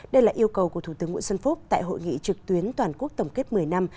đây là yêu cầu của thủ tướng nguyễn xuân phúc tại hội nghị trực tuyến toàn quốc tổng kết một mươi năm